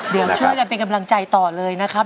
เดี๋ยวช่วยกันเป็นกำลังใจต่อเลยนะครับ